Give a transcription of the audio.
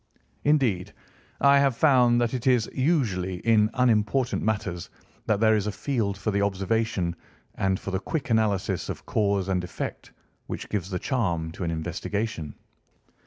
Indeed, I have found that it is usually in unimportant matters that there is a field for the observation, and for the quick analysis of cause and effect which gives the charm to an investigation.